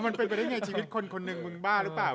มันเป็นไปได้ไงชีวิตคนคนหนึ่งมึงบ้าหรือเปล่า